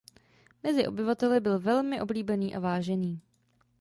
Mezi obyvateli byl velmi oblíbený a vážený.